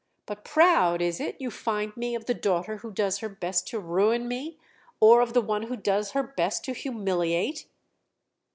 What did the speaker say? But 'proud' is it you find me of the daughter who does her best to ruin me, or of the one who does her best to humiliate?"